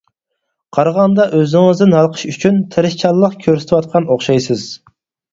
قارىغاندا ئۆزىڭىزدىن ھالقىش ئۈچۈن تىرىشچانلىق كۆرسىتىۋاتقان ئوخشايسىز.